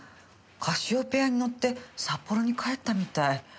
カシオペアに乗って札幌に帰ったみたい。